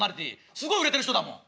すごい売れてる人だもん。